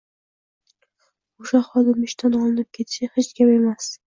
O‘sha xodim ishdan olinib ketishi hech gap emas.